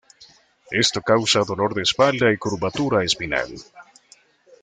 Esto causa dolor de espalda y curvatura espinal.